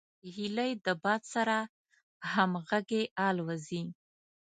هیلۍ د باد سره همغږي الوزي